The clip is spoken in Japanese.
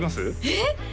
えっ？